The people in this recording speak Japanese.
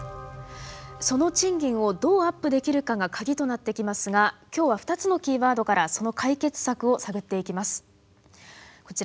その賃金をどうアップできるかが鍵となってきますが今日は２つのキーワードからその解決策を探っていきます。